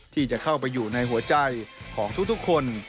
ที่จะเข้าไปอยู่ในหัวใจของทุกคน